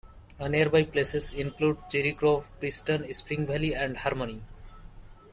Nearby places include Cherry Grove, Preston, Spring Valley, and Harmony.